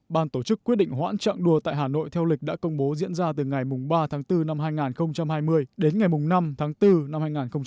ban tổ chức quyết định hoãn chặng đua tại hà nội theo lịch đã công bố diễn ra từ ngày ba tháng bốn năm hai nghìn hai mươi đến ngày năm tháng bốn năm hai nghìn hai mươi